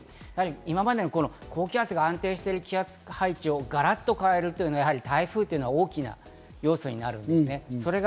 今までの高気圧が安定している気圧配置をガラッと変えるというのが台風の大きな要素になります。